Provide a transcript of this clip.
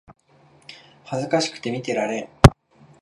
恥ずかしくて見てられん